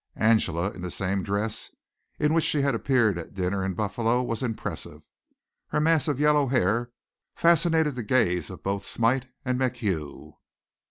Angela, in the same dress in which she had appeared at dinner in Buffalo, was impressive. Her mass of yellow hair fascinated the gaze of both Smite and MacHugh.